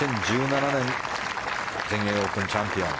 ２０１７年の全英オープンチャンピオン。